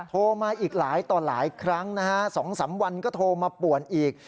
โทรมาอีกหลายต่อหลายครั้งนะฮะ๒๓วันก็โทรมาป่วนอีก